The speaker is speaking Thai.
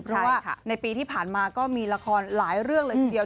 เพราะว่าในปีที่ผ่านมาก็มีละครหลายเรื่องเลยทีเดียว